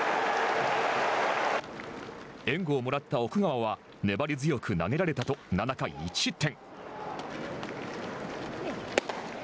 援護をもらった奥川は粘り強く投げられたと７回１失点。